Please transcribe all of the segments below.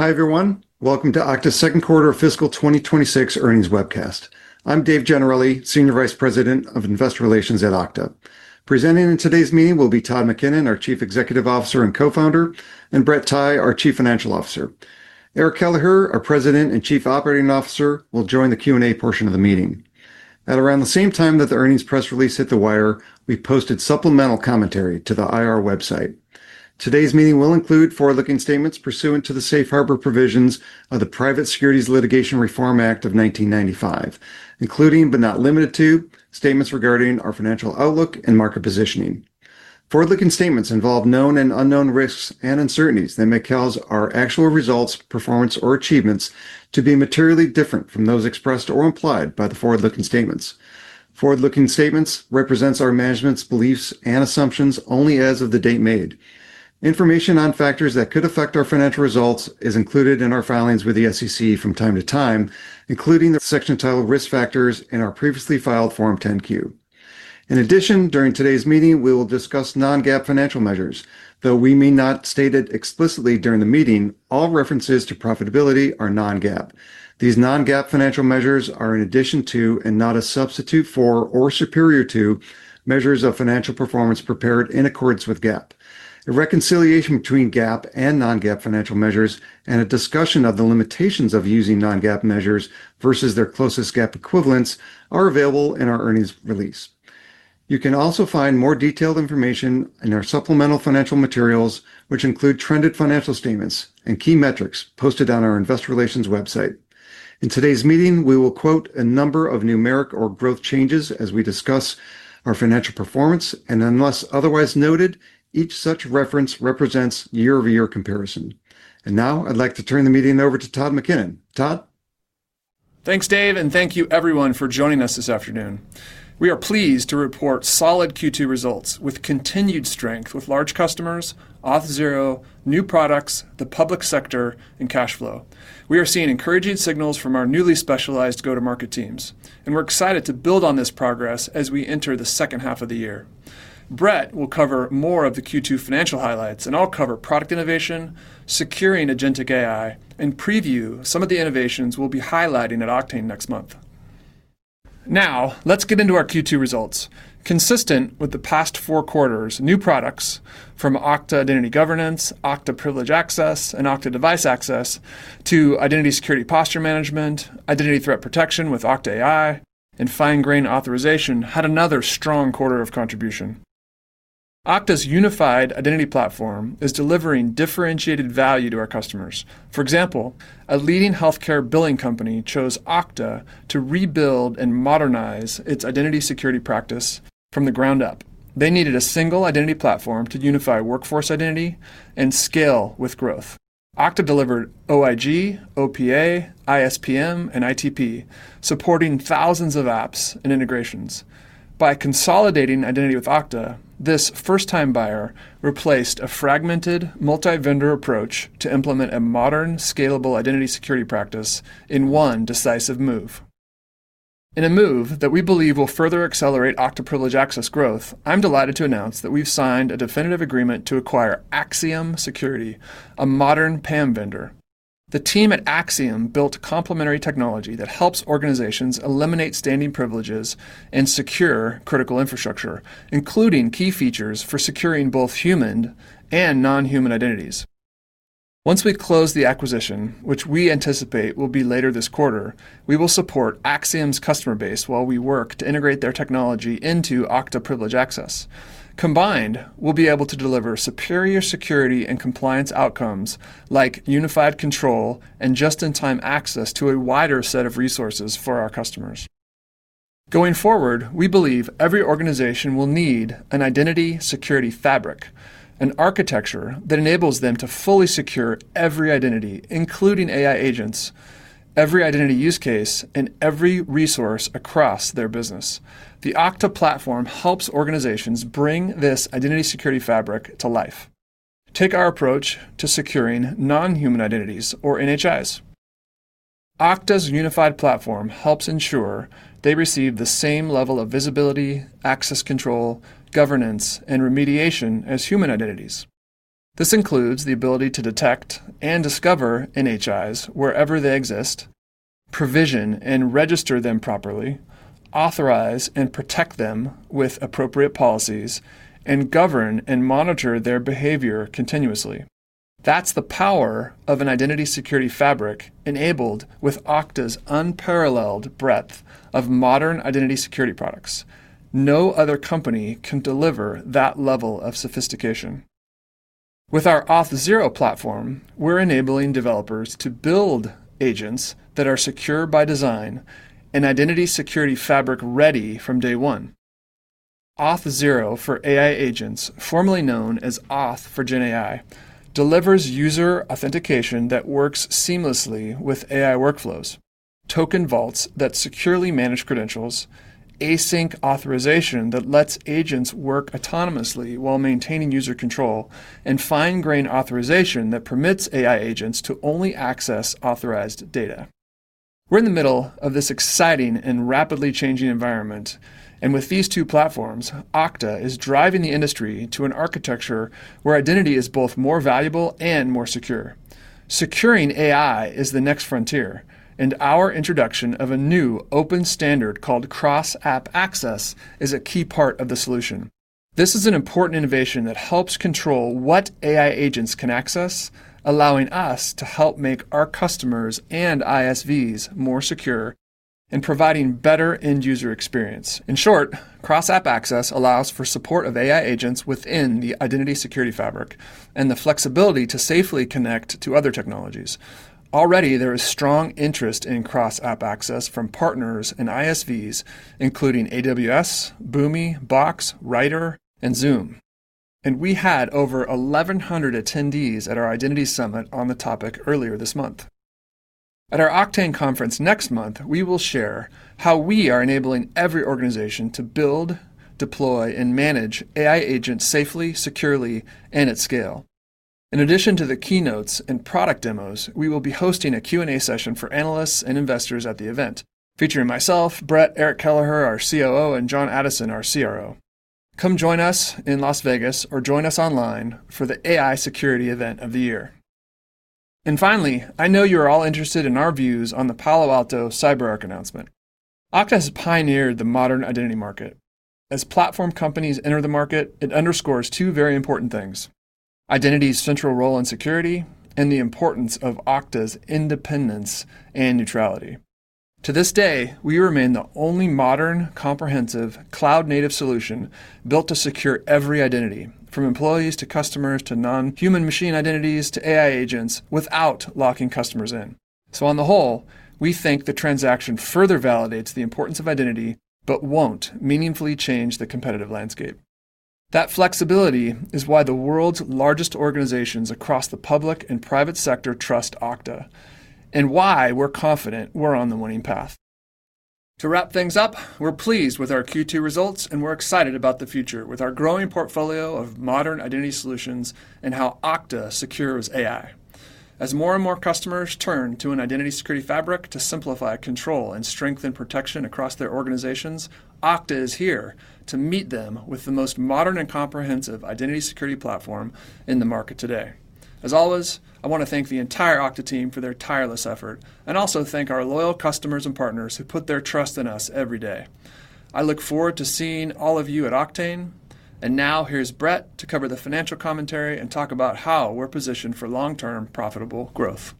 Hi everyone, welcome to Okta's Second Quarter of Fiscal 2026 Earnings Webcast. I'm Dave Gennarelli, Senior Vice President of Investor Relations at Okta. Presenting in today's meeting will be Todd McKinnon, our Chief Executive Officer and Co-Founder, and Brett Tighe, our Chief Financial Officer. Eric Kelleher, our President and Chief Operating Officer, will join the Q&A portion of the meeting. At around the same time that the earnings press release hit the wire, we posted supplemental commentary to the IR website. Today's meeting will include forward-looking statements pursuant to the Safe Harbor provisions of the Private Securities Litigation Reform Act of 1995, including, but not limited to, statements regarding our financial outlook and market positioning. Forward-looking statements involve known and unknown risks and uncertainties that may cause our actual results, performance, or achievements to be materially different from those expressed or implied by the forward-looking statements. Forward-looking statements represent our management's beliefs and assumptions only as of the date made. Information on factors that could affect our financial results is included in our filings with the SEC from time to time, including the section titled Risk Factors in our previously filed Form 10-Q. In addition, during today's meeting, we will discuss non-GAAP financial measures. Though we may not state it explicitly during the meeting, all references to profitability are non-GAAP. These non-GAAP financial measures are in addition to, and not a substitute for, or superior to, measures of financial performance prepared in accordance with GAAP. A reconciliation between GAAP and non-GAAP financial measures, and a discussion of the limitations of using non-GAAP measures versus their closest GAAP equivalents, are available in our earnings release. You can also find more detailed information in our supplemental financial materials, which include trended financial statements and key metrics posted on our Investor Relations website. In today's meeting, we will quote a number of numeric or growth changes as we discuss our financial performance, and unless otherwise noted, each such reference represents year-over-year comparison. I'd like to turn the meeting over to Todd McKinnon. Todd? Thanks, Dave, and thank you everyone for joining us this afternoon. We are pleased to report solid Q2 results with continued strength with large customers, Auth0, new products, the public sector, and cash flow. We are seeing encouraging signals from our newly specialized go-to-market teams, and we're excited to build on this progress as we enter the second half of the year. Brett will cover more of the Q2 financial highlights, and I'll cover product innovation, securing agentic AI, and preview some of the innovations we'll be highlighting at Okta next month. Now, let's get into our Q2 results. Consistent with the past four quarters, new products from Okta Identity Governance, Okta Privilege Access, and Okta Device Access to Identity Security Posture Management, Identity Threat Protection with Okta AI, and Fine Grain Authorization had another strong quarter of contribution. Okta's unified identity platform is delivering differentiated value to our customers. For example, a leading healthcare billing company chose Okta to rebuild and modernize its identity security practice from the ground up. They needed a single identity platform to unify workforce identity and scale with growth. Okta delivered OIG, OPA, ISPM, and ITP, supporting thousands of apps and integrations. By consolidating identity with Okta, this first-time buyer replaced a fragmented multi-vendor approach to implement a modern, scalable identity security practice in one decisive move. In a move that we believe will further accelerate Okta Privilege Access growth, I'm delighted to announce that we've signed a definitive agreement to acquire Axiom Security, a modern PAM vendor. The team at Axiom built complementary technology that helps organizations eliminate standing privileges and secure critical infrastructure, including key features for securing both human and non-human identities. Once we close the acquisition, which we anticipate will be later this quarter, we will support Axiom's customer base while we work to integrate their technology into Okta Privilege Access. Combined, we'll be able to deliver superior security and compliance outcomes like unified control and just-in-time access to a wider set of resources for our customers. Going forward, we believe every organization will need an identity security fabric, an architecture that enables them to fully secure every identity, including AI agents, every identity use case, and every resource across their business. The Okta platform helps organizations bring this identity security fabric to life. Take our approach to securing non-human identities, or NHIs. Okta's unified platform helps ensure they receive the same level of visibility, access control, governance, and remediation as human identities. This includes the ability to detect and discover NHIs wherever they exist, provision and register them properly, authorize and protect them with appropriate policies, and govern and monitor their behavior continuously. That's the power of an identity security fabric enabled with Okta's unparalleled breadth of modern identity security products. No other company can deliver that level of sophistication. With our Auth0 platform, we're enabling developers to build agents that are secure by design, an identity security fabric ready from day one. Auth0 for AI agents, formerly known as Auth for GenAI, delivers user authentication that works seamlessly with AI workflows, token vaults that securely manage credentials, async authorization that lets agents work autonomously while maintaining user control, and fine-grained authorization that permits AI agents to only access authorized data. We're in the middle of this exciting and rapidly changing environment, and with these two platforms, Okta is driving the industry to an architecture where identity is both more valuable and more secure. Securing AI is the next frontier, and our introduction of a new open standard called cross-app access is a key part of the solution. This is an important innovation that helps control what AI agents can access, allowing us to help make our customers and ISVs more secure and providing better end-user experience. In short, cross-app access allows for support of AI agents within the identity security fabric and the flexibility to safely connect to other technologies. Already, there is strong interest in cross-app access from partners and ISVs, including AWS, Boomi, Box, and Zoom. We had over 1,100 attendees at our identity summit on the topic earlier this month. At our Octane Conference next month, we will share how we are enabling every organization to build, deploy, and manage AI agents safely, securely, and at scale. In addition to the keynotes and product demos, we will be hosting a Q&A session for analysts and investors at the event, featuring myself, Brett, Eric Kelleher, our COO, and John Addison, our CRO. Come join us in Las Vegas or join us online for the AI Security Event of the Year. Finally, I know you're all interested in our views on the Palo Alto Networks CyberArk announcement. Okta has pioneered the modern identity market. As platform companies enter the market, it underscores two very important things: identity's central role in security and the importance of Okta's independence and neutrality. To this day, we remain the only modern, comprehensive, cloud-native solution built to secure every identity, from employees to customers to non-human machine identities to AI agents, without locking customers in. On the whole, we think the transaction further validates the importance of identity but won't meaningfully change the competitive landscape. That flexibility is why the world's largest organizations across the public and private sector trust Okta and why we're confident we're on the winning path. To wrap things up, we're pleased with our Q2 results, and we're excited about the future with our growing portfolio of modern identity solutions and how Okta secures AI. As more and more customers turn to an identity security fabric to simplify control and strengthen protection across their organizations, Okta is here to meet them with the most modern and comprehensive identity security platform in the market today. As always, I want to thank the entire Okta team for their tireless effort and also thank our loyal customers and partners who put their trust in us every day. I look forward to seeing all of you at Octane, and now here's Brett to cover the financial commentary and talk about how we're positioned for long-term profitable growth.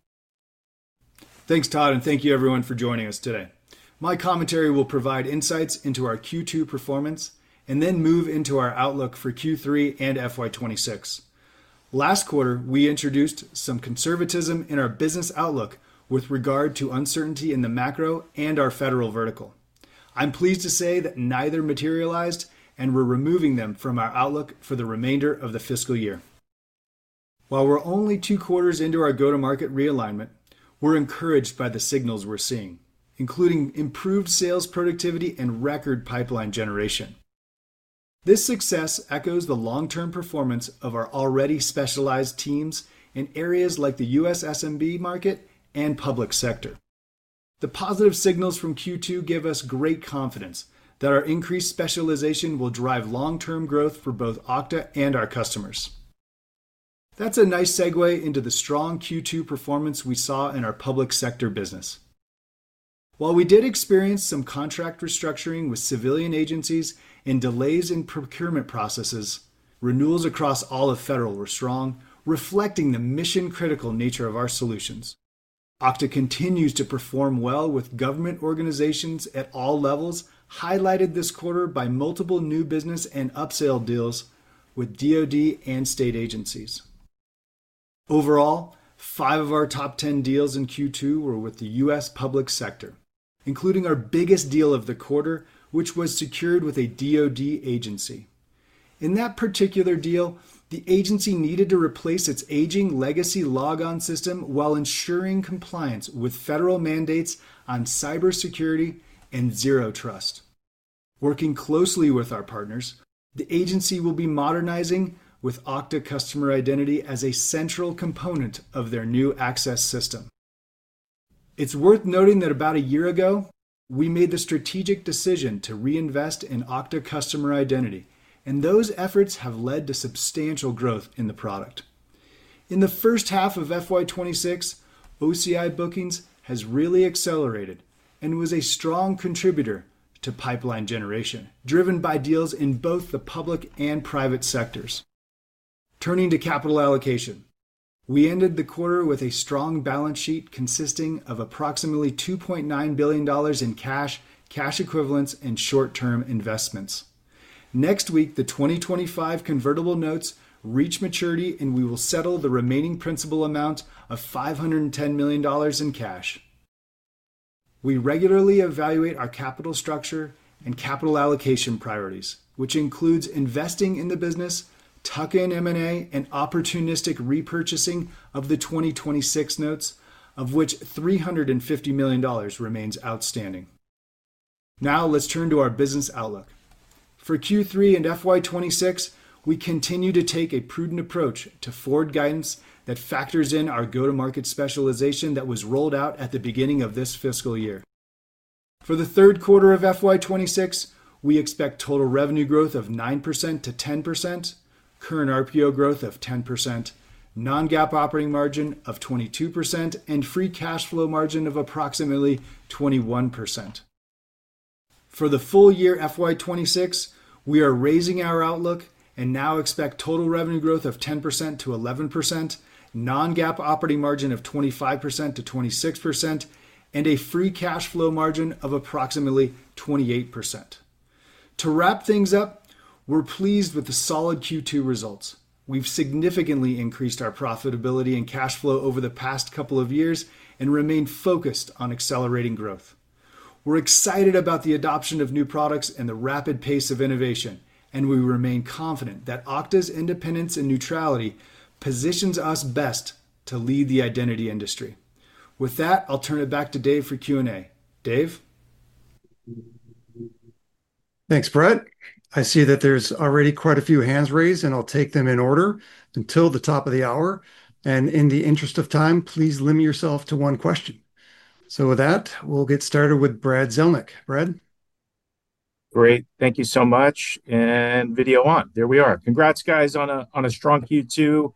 Thanks, Todd, and thank you everyone for joining us today. My commentary will provide insights into our Q2 performance and then move into our outlook for Q3 and FY2026. Last quarter, we introduced some conservatism in our business outlook with regard to uncertainty in the macro and our federal vertical. I'm pleased to say that neither materialized, and we're removing them from our outlook for the remainder of the fiscal year. While we're only two quarters into our go-to-market realignment, we're encouraged by the signals we're seeing, including improved sales productivity and record pipeline generation. This success echoes the long-term performance of our already specialized teams in areas like the U.S. SMB market and public sector. The positive signals from Q2 give us great confidence that our increased specialization will drive long-term growth for both Okta and our customers. That's a nice segue into the strong Q2 performance we saw in our public sector business. While we did experience some contract restructuring with civilian agencies and delays in procurement processes, renewals across all of federal were strong, reflecting the mission-critical nature of our solutions. Okta continues to perform well with government organizations at all levels, highlighted this quarter by multiple new business and upsell deals with the U.S. Department of Defense and state agencies. Overall, five of our top 10 deals in Q2 were with the U.S. public sector, including our biggest deal of the quarter, which was secured with a U.S. Department of Defense agency. In that particular deal, the agency needed to replace its aging legacy logon system while ensuring compliance with federal mandates on cybersecurity and zero trust. Working closely with our partners, the agency will be modernizing with Okta Customer Identity as a central component of their new access system. It's worth noting that about a year ago, we made the strategic decision to reinvest in Okta Customer Identity, and those efforts have led to substantial growth in the product. In the first half of FY2026, OCI bookings have really accelerated and were a strong contributor to pipeline generation, driven by deals in both the public and private sectors. Turning to capital allocation, we ended the quarter with a strong balance sheet consisting of approximately $2.9 billion in cash, cash equivalents, and short-term investments. Next week, the 2025 convertible notes reach maturity, and we will settle the remaining principal amount of $510 million in cash. We regularly evaluate our capital structure and capital allocation priorities, which include investing in the business, tuck-in M&A, and opportunistic repurchasing of the 2026 notes, of which $350 million remains outstanding. Now, let's turn to our business outlook. For Q3 and FY2026, we continue to take a prudent approach to forward guidance that factors in our go-to-market specialization that was rolled out at the beginning of this fiscal year. For the third quarter of FY2026, we expect total revenue growth of 9%-10%, current RPO growth of 10%, non-GAAP operating margin of 22%, and free cash flow margin of approximately 21%. For the full year FY2026, we are raising our outlook and now expect total revenue growth of 10%-11%, non-GAAP operating margin of 25%-26%, and a free cash flow margin of approximately 28%. To wrap things up, we're pleased with the solid Q2 results. We've significantly increased our profitability and cash flow over the past couple of years and remain focused on accelerating growth. We're excited about the adoption of new products and the rapid pace of innovation, and we remain confident that Okta's independence and neutrality position us best to lead the identity industry. With that, I'll turn it back to Dave for Q&A. Dave? Thanks, Brett. I see that there's already quite a few hands raised, and I'll take them in order until the top of the hour. In the interest of time, please limit yourself to one question. With that, we'll get started with Brad Zelnick. Brad. Great, thank you so much. Video on. There we are. Congrats, guys, on a strong Q2.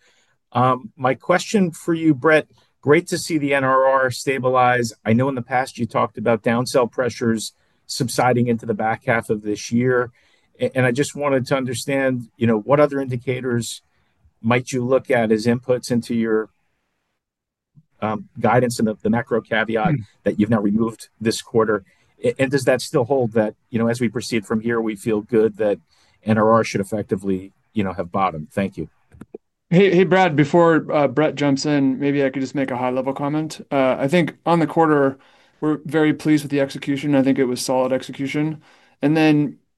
My question for you, Brett, great to see the NRR stabilize. I know in the past you talked about downsell pressures subsiding into the back half of this year, and I just wanted to understand what other indicators might you look at as inputs into your guidance and the macro caveat that you've now removed this quarter. Does that still hold that, as we proceed from here, we feel good that NRR should effectively have bottomed? Thank you. Hey, hey, Brad, before Brett jumps in, maybe I could just make a high-level comment. I think on the quarter, we're very pleased with the execution. I think it was solid execution.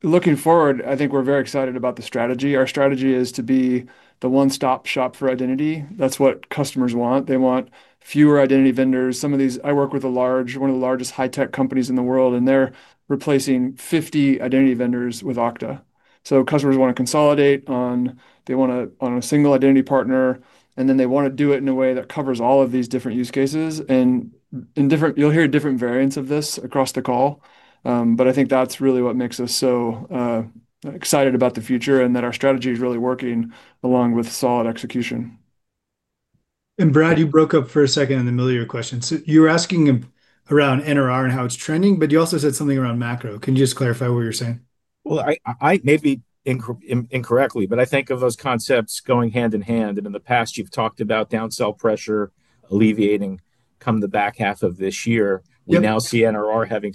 Looking forward, I think we're very excited about the strategy. Our strategy is to be the one-stop shop for identity. That's what customers want. They want fewer identity vendors. I work with one of the largest high-tech companies in the world, and they're replacing 50 identity vendors with Okta. Customers want to consolidate on a single identity partner, and they want to do it in a way that covers all of these different use cases. You'll hear different variants of this across the call. I think that's really what makes us so excited about the future and that our strategy is really working along with solid execution. Brad, you broke up for a second in the middle of your question. You were asking around NRR and how it's trending, but you also said something around macro. Can you just clarify what you're saying? I may be incorrectly, but I think of those concepts going hand in hand. In the past, you've talked about downsell pressure alleviating come the back half of this year. We now see NRR having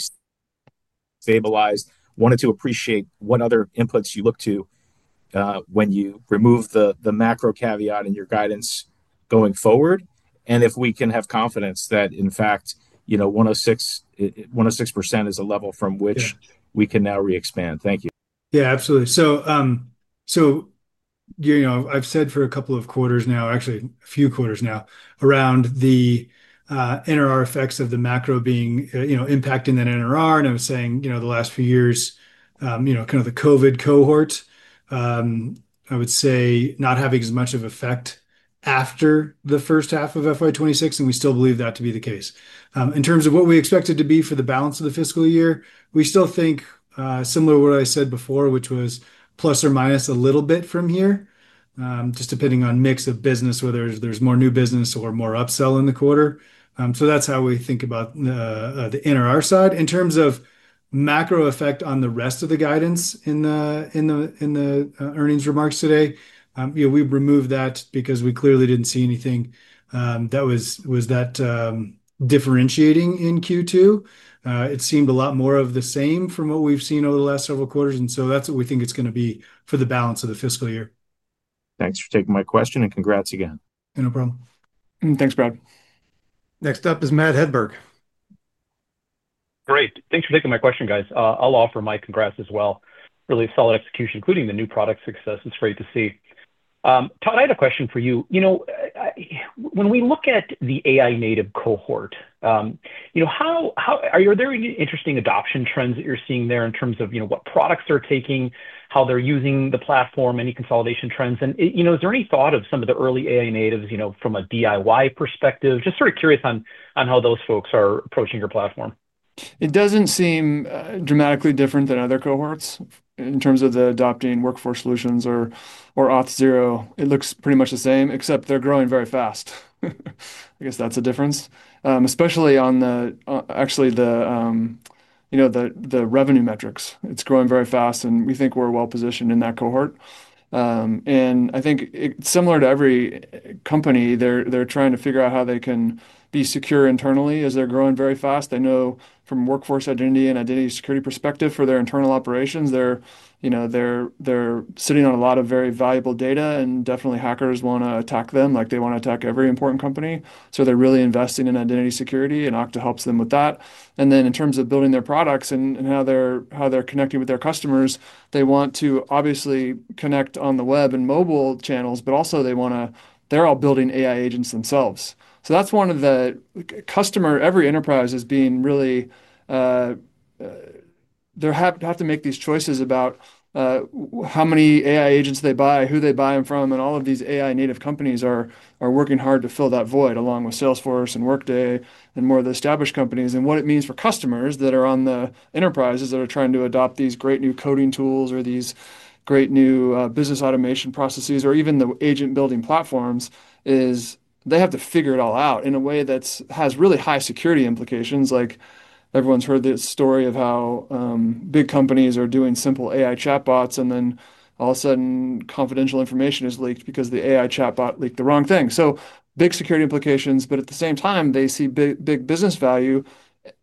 stabilized. Wanted to appreciate what other inputs you look to when you remove the macro caveat in your guidance going forward, and if we can have confidence that, in fact, you know, 106% is a level from which we can now re-expand. Thank you. Absolutely. I've said for a couple of quarters now, actually a few quarters now, around the NRR effects of the macro being, you know, impacting that NRR. I'm saying the last few years, kind of the COVID cohorts, I would say not having as much of an effect after the first half of FY2026, and we still believe that to be the case. In terms of what we expect it to be for the balance of the fiscal year, we still think similar to what I said before, which was plus or minus a little bit from here, just depending on the mix of business, whether there's more new business or more upsell in the quarter. That's how we think about the NRR side. In terms of macro effect on the rest of the guidance in the earnings remarks today, we've removed that because we clearly didn't see anything that was that differentiating in Q2. It seemed a lot more of the same from what we've seen over the last several quarters, and that's what we think it's going to be for the balance of the fiscal year. Thanks for taking my question, and congrats again. No problem. Thanks, Brett. Next up is Matt Hedberg. Great, thanks for taking my question, guys. I'll offer my congrats as well. Really solid execution, including the new product success. It's great to see. Todd, I had a question for you. When we look at the AI native cohort, are there any interesting adoption trends that you're seeing there in terms of what products they're taking, how they're using the platform, any consolidation trends? Is there any thought of some of the early AI natives from a DIY perspective? Just sort of curious on how those folks are approaching your platform. It doesn't seem dramatically different than other cohorts in terms of adopting workforce solutions or Auth0. It looks pretty much the same, except they're growing very fast. I guess that's a difference, especially on the revenue metrics. It's growing very fast, and we think we're well positioned in that cohort. I think it's similar to every company. They're trying to figure out how they can be secure internally as they're growing very fast. I know from a workforce identity and identity security perspective for their internal operations, they're sitting on a lot of very valuable data, and definitely hackers want to attack them, like they want to attack every important company. They're really investing in identity security, and Okta helps them with that. In terms of building their products and how they're connecting with their customers, they want to obviously connect on the web and mobile channels, but also they want to, they're all building AI agents themselves. That's one of the customers, every enterprise is being really, they have to make these choices about how many AI agents they buy, who they buy them from, and all of these AI native companies are working hard to fill that void along with Salesforce and Workday and more of the established companies. What it means for customers that are on the enterprises that are trying to adopt these great new coding tools or these great new business automation processes or even the agent building platforms is they have to figure it all out in a way that has really high security implications. Everyone's heard this story of how big companies are doing simple AI chatbots, and then all of a sudden confidential information is leaked because the AI chatbot leaked the wrong thing. Big security implications, but at the same time they see big business value,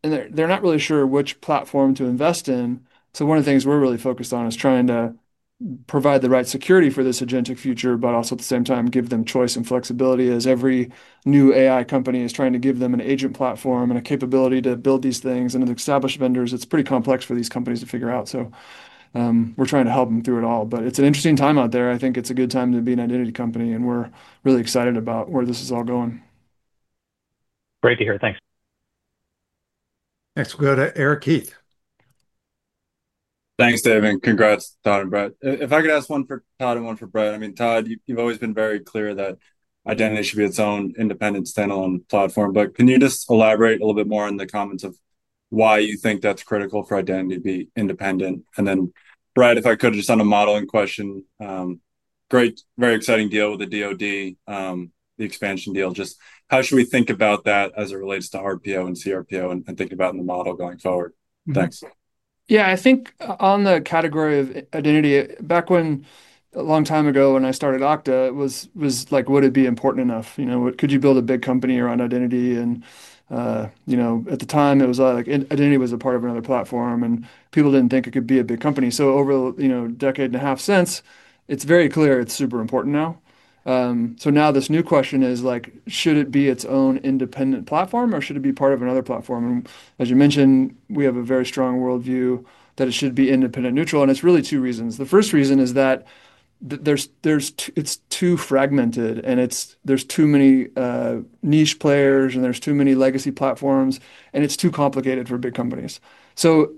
and they're not really sure which platform to invest in. One of the things we're really focused on is trying to provide the right security for this agentic future, but also at the same time give them choice and flexibility as every new AI company is trying to give them an agent platform and a capability to build these things. As established vendors, it's pretty complex for these companies to figure out. We're trying to help them through it all, but it's an interesting time out there. I think it's a good time to be an identity company, and we're really excited about where this is all going. Great to hear. Thanks. Thanks. We'll go to Eric Kelleher. Thanks, Dave, and congrats, Todd and Brett. If I could ask one for Todd and one for Brett, I mean, Todd, you've always been very clear that identity should be its own independent standalone platform. Can you just elaborate a little bit more on the comments of why you think that's critical for identity to be independent? Brett, if I could just on a modeling question, great, very exciting deal with the U.S. Department of Defense, the expansion deal. How should we think about that as it relates to RPO and CRPO and think about it in the model going forward? Yeah, I think on the category of identity, back when, a long time ago when I started Okta, it was like, would it be important enough? You know, could you build a big company around identity? At the time it was like identity was a part of another platform and people didn't think it could be a big company. Over, you know, a decade and a half since, it's very clear it's super important now. Now this new question is like, should it be its own independent platform or should it be part of another platform? As you mentioned, we have a very strong worldview that it should be independent, neutral, and it's really two reasons. The first reason is that it's too fragmented and there's too many niche players and there's too many legacy platforms and it's too complicated for big companies.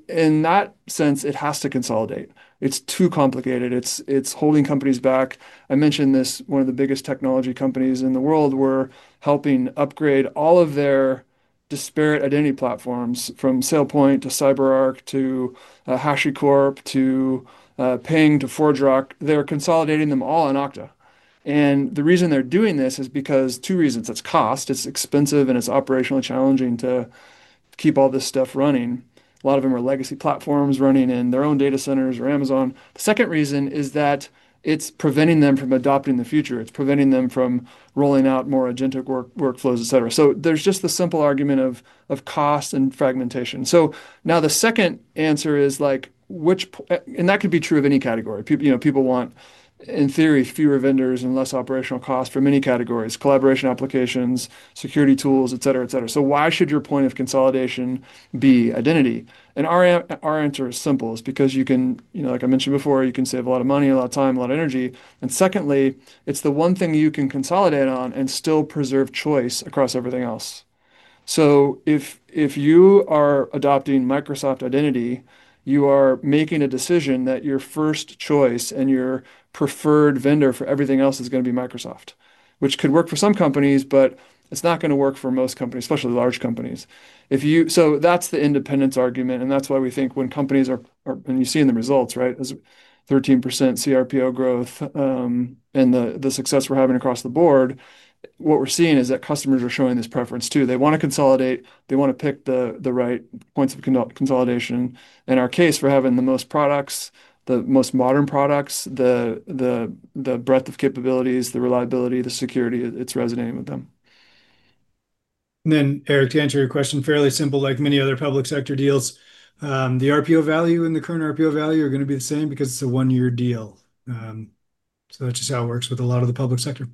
In that sense, it has to consolidate. It's too complicated. It's holding companies back. I mentioned this, one of the biggest technology companies in the world, we're helping upgrade all of their disparate identity platforms from SailPoint to CyberArk to HashiCorp to Ping to ForgeRock. They're consolidating them all in Okta. The reason they're doing this is because two reasons. It's cost. It's expensive and it's operationally challenging to keep all this stuff running. A lot of them are legacy platforms running in their own data centers or Amazon. The second reason is that it's preventing them from adopting the future. It's preventing them from rolling out more agentic workflows, et cetera. There's just the simple argument of cost and fragmentation. Now the second answer is like, which, and that could be true of any category. People want, in theory, fewer vendors and less operational cost for many categories: collaboration applications, security tools, etc. Why should your point of consolidation be identity? Our answer is simple. It's because you can, you know, like I mentioned before, you can save a lot of money, a lot of time, a lot of energy. Secondly, it's the one thing you can consolidate on and still preserve choice across everything else. If you are adopting Microsoft identity, you are making a decision that your first choice and your preferred vendor for everything else is going to be Microsoft, which could work for some companies, but it's not going to work for most companies, especially large companies. If you, that's the independence argument, and that's why we think when companies are, and you see in the results, right, as 13% CRPO growth and the success we're having across the board, what we're seeing is that customers are showing this preference too. They want to consolidate. They want to pick the right points of consolidation. In our case, we're having the most products, the most modern products, the breadth of capabilities, the reliability, the security, it's resonating with them. Eric, to answer your question, fairly simple, like many other public sector deals, the RPO value and the current RPO value are going to be the same because it's a one-year deal. That's just how it works with a lot of the public sector.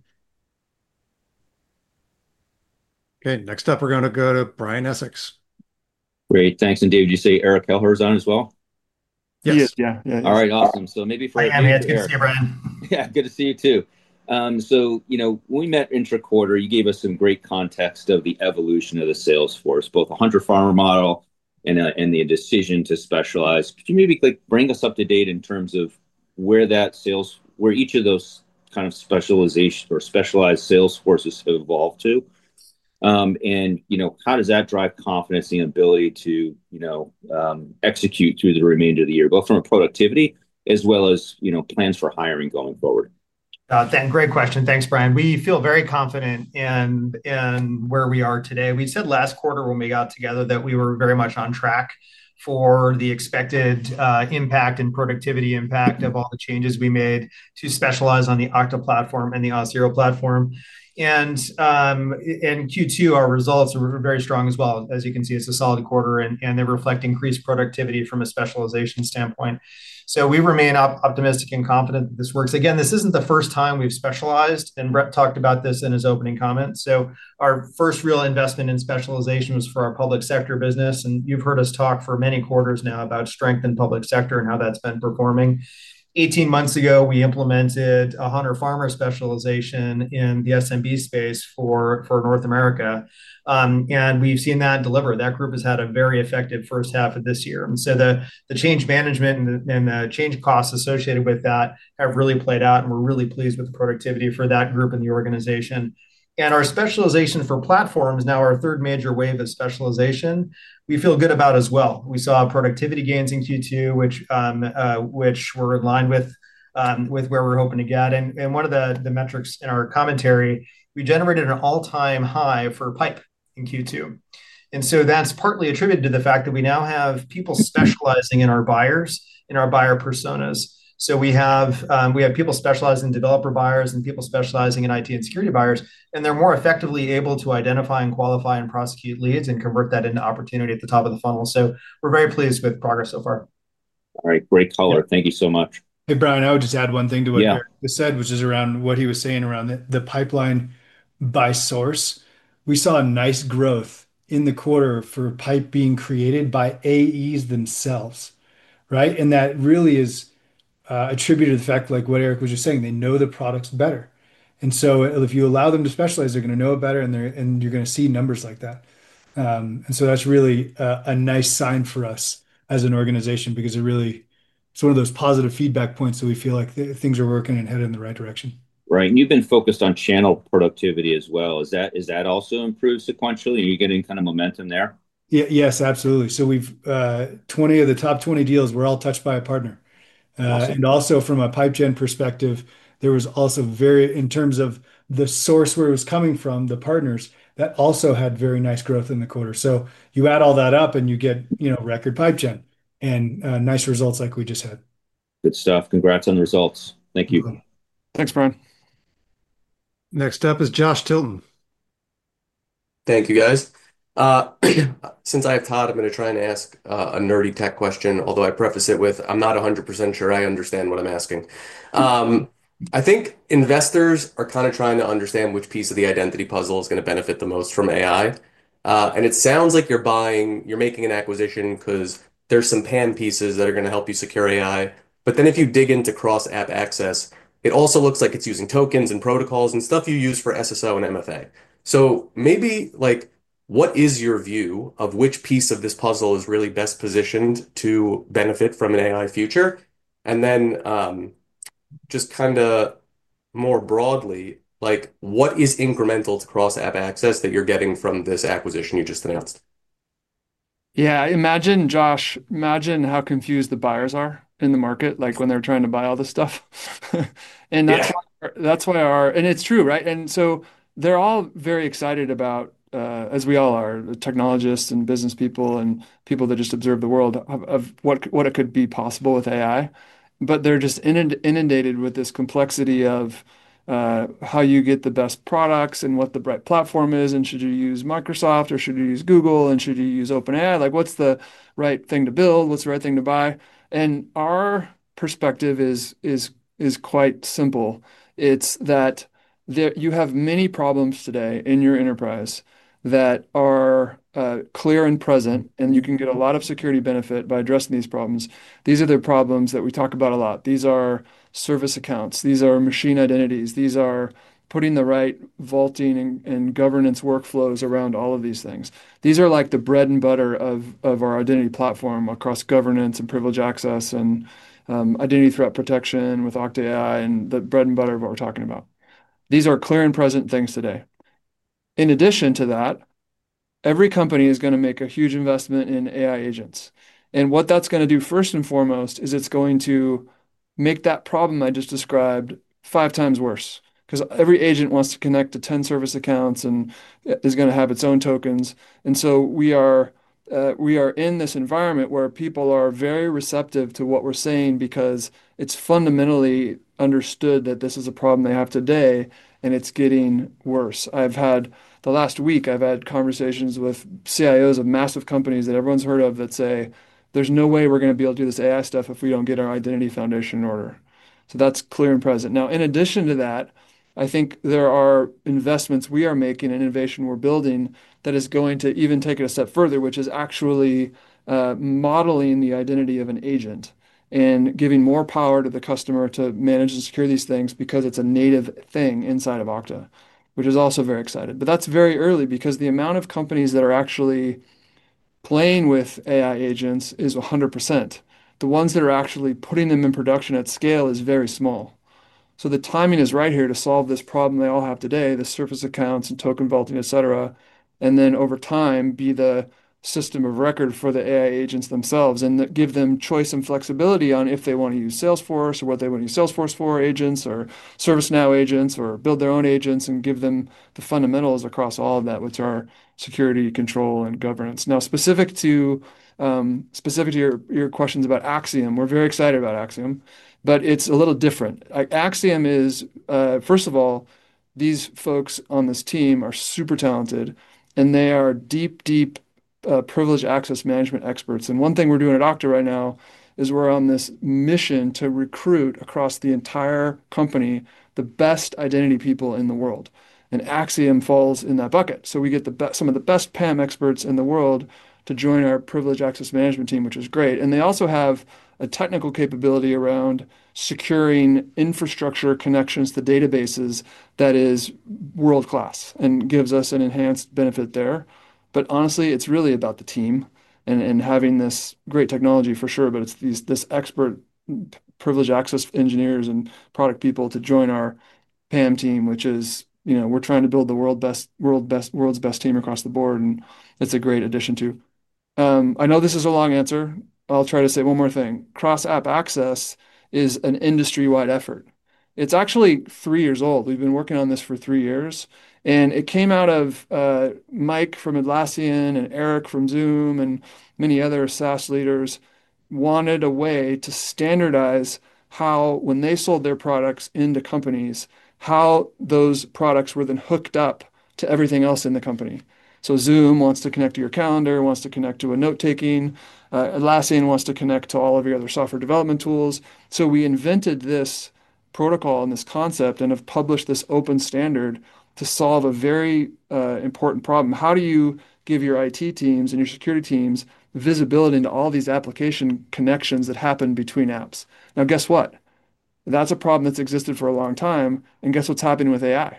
Okay, next up, we're going to go to Brian Essex. Great, thanks. Did you say Eric Kelleher is on as well? Yes. Yeah. Yeah. All right, awesome. Maybe for. Hi, good to see you, Brian. Yeah, good to see you too. When we met intra-quarter, you gave us some great context of the evolution of the Salesforce, both a hundred farmer model and the decision to specialize. Could you maybe bring us up to date in terms of where that sales, where each of those kind of specializations or specialized sales forces have evolved to? How does that drive confidence and ability to execute through the remainder of the year, both from a productivity as well as plans for hiring going forward? Todd, great question. Thanks, Brian. We feel very confident in where we are today. We said last quarter when we got together that we were very much on track for the expected impact and productivity impact of all the changes we made to specialize on the Okta platform and the Auth0 platform. In Q2, our results were very strong as well. As you can see, it's a solid quarter, and they reflect increased productivity from a specialization standpoint. We remain optimistic and confident that this works. This isn't the first time we've specialized, and Brett talked about this in his opening comments. Our first real investment in specialization was for our public sector business, and you've heard us talk for many quarters now about strength in public sector and how that's been performing. Eighteen months ago, we implemented a 100 farmer specialization in the SMB space for North America, and we've seen that deliver. That group has had a very effective first half of this year. The change management and the change costs associated with that have really played out, and we're really pleased with the productivity for that group and the organization. Our specialization for platforms, now our third major wave of specialization, we feel good about as well. We saw productivity gains in Q2, which were in line with where we're hoping to get. One of the metrics in our commentary, we generated an all-time high for pipe in Q2. That's partly attributed to the fact that we now have people specializing in our buyers, in our buyer personas. We have people specializing in developer buyers and people specializing in IT and security buyers, and they're more effectively able to identify and qualify and prosecute leads and convert that into opportunity at the top of the funnel. We're very pleased with progress so far. All right, great Kelleher. Thank you so much. Hey, Brad, I would just add one thing to what Eric just said, which is around what he was saying around the pipeline by source. We saw a nice growth in the quarter for pipe being created by AEs themselves, right? That really is attributed to the fact, like what Eric was just saying, they know the products better. If you allow them to specialize, they're going to know it better, and you're going to see numbers like that. That's really a nice sign for us as an organization because it really, it's one of those positive feedback points that we feel like things are working and headed in the right direction. Right. You've been focused on channel productivity as well. Has that also improved sequentially? Are you getting kind of momentum there? Yes, absolutely. All 20 of the top 20 deals were touched by a partner. Also, from a pipe gen perspective, in terms of the source where it was coming from, the partners also had very nice growth in the quarter. You add all that up and you get record pipe gen and nice results like we just had. Good stuff. Congrats on the results. Thank you. Thanks, Brian. Next up is Josh Tilton. Thank you, guys. Since I have Todd, I'm going to try and ask a nerdy tech question, although I preface it with I'm not 100% sure I understand what I'm asking. I think investors are kind of trying to understand which piece of the identity puzzle is going to benefit the most from AI. It sounds like you're buying, you're making an acquisition because there's some PAM pieces that are going to help you secure AI. If you dig into cross-app access, it also looks like it's using tokens and protocols and stuff you use for SSO and MFA. What is your view of which piece of this puzzle is really best positioned to benefit from an AI future? More broadly, what is incremental to cross-app access that you're getting from this acquisition you just announced? Yeah, I imagine, Josh, imagine how confused the buyers are in the market, like when they're trying to buy all this stuff. That's why our, and it's true, right? They're all very excited about, as we all are, the technologists and business people and people that just observe the world of what it could be possible with AI. They're just inundated with this complexity of how you get the best products and what the right platform is, and should you use Microsoft or should you use Google and should you use OpenAI? Like, what's the right thing to build? What's the right thing to buy? Our perspective is quite simple. It's that you have many problems today in your enterprise that are clear and present, and you can get a lot of security benefit by addressing these problems. These are the problems that we talk about a lot. These are service accounts. These are machine identities. These are putting the right vaulting and governance workflows around all of these things. These are like the bread and butter of our identity platform across governance and privileged access and identity threat protection with Okta AI and the bread and butter of what we're talking about. These are clear and present things today. In addition to that, every company is going to make a huge investment in AI agents. What that's going to do first and foremost is it's going to make that problem I just described five times worse. Every agent wants to connect to 10 service accounts and is going to have its own tokens. We are in this environment where people are very receptive to what we're saying because it's fundamentally understood that this is a problem they have today, and it's getting worse. I've had the last week, I've had conversations with CIOs of massive companies that everyone's heard of that say, there's no way we're going to be able to do this AI stuff if we don't get our identity foundation in order. That's clear and present. Now, in addition to that, I think there are investments we are making and innovation we're building that is going to even take it a step further, which is actually modeling the identity of an agent and giving more power to the customer to manage and secure these things because it's a native thing inside of Okta, which is also very exciting. That's very early because the amount of companies that are actually playing with AI agents is 100%. The ones that are actually putting them in production at scale is very small. The timing is right here to solve this problem they all have today, the service accounts and token vaulting, et cetera, and then over time be the system of record for the AI agents themselves and give them choice and flexibility on if they want to use Salesforce or what they want to use Salesforce for, agents or ServiceNow agents or build their own agents and give them the fundamentals across all of that, which are security control and governance. Now, specific to your questions about Axiom, we're very excited about Axiom, but it's a little different. Axiom is, first of all, these folks on this team are super talented, and they are deep, deep privileged access management experts. One thing we're doing at Okta right now is we're on this mission to recruit across the entire company the best identity people in the world. Axiom falls in that bucket. We get some of the best PAM experts in the world to join our privileged access management team, which is great. They also have a technical capability around securing infrastructure connections to databases that is world-class and gives us an enhanced benefit there. Honestly, it's really about the team and having this great technology for sure, but it's these expert privileged access engineers and product people to join our PAM team, which is, you know, we're trying to build the world's best team across the board, and it's a great addition too. I know this is a long answer. I'll try to say one more thing. Cross-app access is an industry-wide effort. It's actually three years old. We've been working on this for three years, and it came out of Mike from Atlassian and Eric from Zoom and many other SaaS leaders wanted a way to standardize how, when they sold their products into companies, how those products were then hooked up to everything else in the company. Zoom wants to connect to your calendar, wants to connect to a note-taking. Atlassian wants to connect to all of your other software development tools. We invented this protocol and this concept and have published this open standard to solve a very important problem. How do you give your IT teams and your security teams visibility into all these application connections that happen between apps? That's a problem that's existed for a long time, and guess what's happening with AI?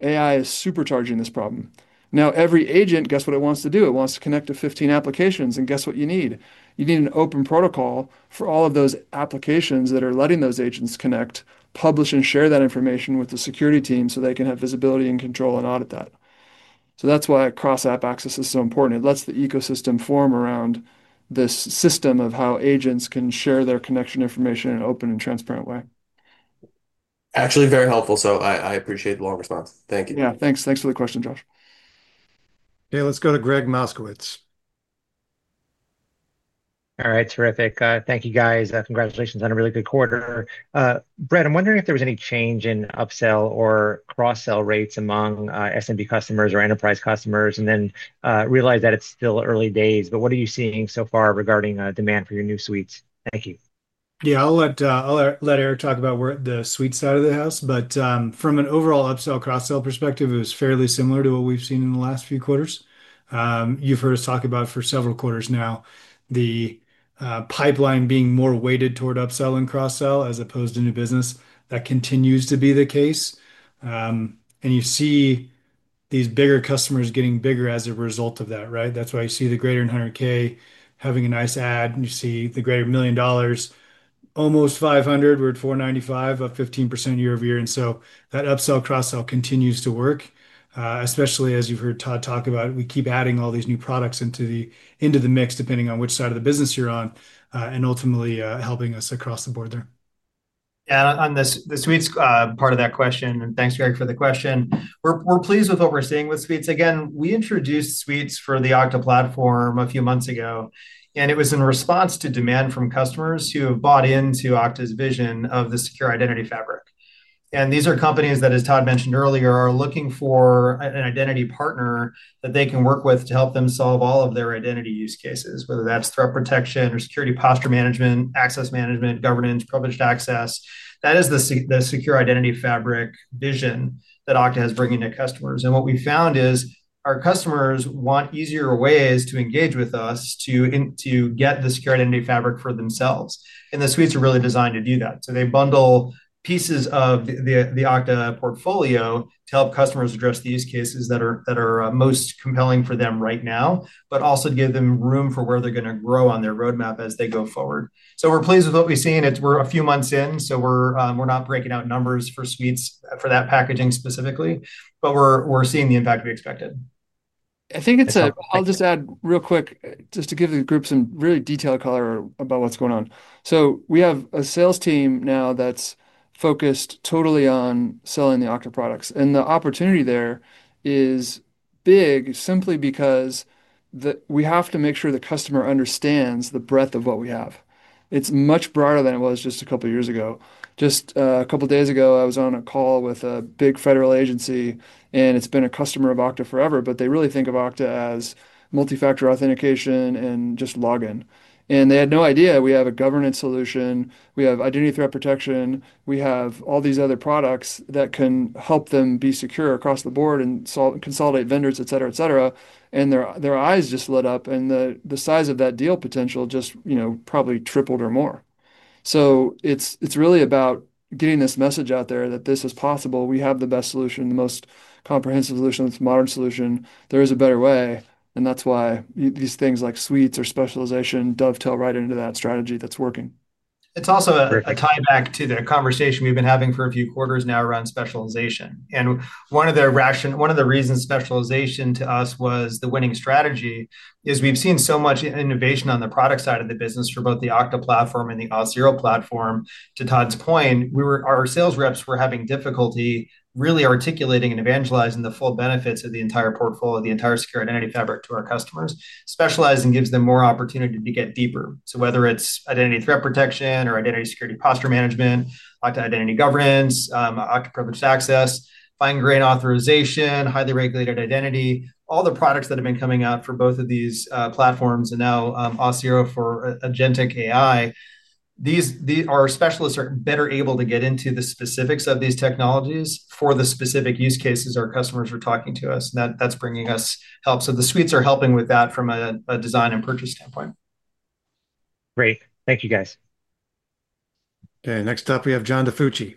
AI is supercharging this problem. Now, every agent, guess what it wants to do? It wants to connect to 15 applications, and guess what you need? You need an open protocol for all of those applications that are letting those agents connect, publish, and share that information with the security team, so they can have visibility and control and audit that. That is why cross-app access is so important. It lets the ecosystem form around this system of how agents can share their connection information in an open and transparent way. Actually, very helpful. I appreciate the long response. Thank you. Yeah, thanks. Thanks for the question, Josh. Hey, let's go to Greg Moskowitz. All right, terrific. Thank you, guys. Congratulations on a really good quarter. Brett, I'm wondering if there was any change in upsell or cross-sell rates among SMB customers or enterprise customers, and then realized that it's still early days, but what are you seeing so far regarding demand for your new suites? Thank you. Yeah, I'll let Eric talk about the suite side of the house, but from an overall upsell/cross-sell perspective, it was fairly similar to what we've seen in the last few quarters. You've heard us talk about for several quarters now the pipeline being more weighted toward upsell and cross-sell as opposed to new business. That continues to be the case. You see these bigger customers getting bigger as a result of that, right? That's why you see the greater than $100K having a nice add. You see the greater than $1 million, almost 500. We're at 495, up 15% year-over-year. That upsell/cross-sell continues to work, especially as you've heard Todd talk about, we keep adding all these new products into the mix, depending on which side of the business you're on, and ultimately helping us across the board there. Yeah, on the suites part of that question, and thanks, Greg, for the question. We're pleased with what we're seeing with suites. We introduced suites for the Okta platform a few months ago, and it was in response to demand from customers who have bought into Okta's vision of the secure identity fabric. These are companies that, as Todd mentioned earlier, are looking for an identity partner that they can work with to help them solve all of their identity use cases, whether that's threat protection or security posture management, access management, governance, privileged access. That is the secure identity fabric vision that Okta is bringing to customers. What we found is our customers want easier ways to engage with us to get the secure identity fabric for themselves. The suites are really designed to do that. They bundle pieces of the Okta portfolio to help customers address the use cases that are most compelling for them right now, but also give them room for where they're going to grow on their roadmap as they go forward. We're pleased with what we've seen. We're a few months in, so we're not breaking out numbers for suites for that packaging specifically, but we're seeing the impact we expected. I think it's a, I'll just add real quick, just to give the group some really detailed color about what's going on. We have a sales team now that's focused totally on selling the Okta products, and the opportunity there is big simply because we have to make sure the customer understands the breadth of what we have. It's much broader than it was just a couple of years ago. Just a couple of days ago, I was on a call with a big federal agency, and it's been a customer of Okta forever, but they really think of Okta as multi-factor authentication and just login. They had no idea we have a governance solution, we have identity threat protection, we have all these other products that can help them be secure across the board and consolidate vendors, etc. Their eyes just lit up, and the size of that deal potential just, you know, probably tripled or more. It's really about getting this message out there that this is possible. We have the best solution, the most comprehensive solution, the most modern solution. There is a better way, and that's why these things like suites or specialization dovetail right into that strategy that's working. It's also a tie back to the conversation we've been having for a few quarters now around specialization. One of the reasons specialization to us was the winning strategy is we've seen so much innovation on the product side of the business for both the Okta platform and the Auth0 platform. To Todd's point, our sales reps were having difficulty really articulating and evangelizing the full benefits of the entire portfolio, the entire secure identity fabric to our customers. Specializing gives them more opportunity to get deeper. Whether it's Identity Threat Protection with Okta AI or Identity Security Posture Management, Okta Identity Governance, Okta Privileged Access, fine-grained authorization, highly regulated identity, all the products that have been coming out for both of these platforms and now Auth0 for agentic AI. These are specialists that are better able to get into the specifics of these technologies for the specific use cases our customers are talking to us. That's bringing us help. The suites are helping with that from a design and purchase standpoint. Great. Thank you, guys. Next up, we have John DiFucci.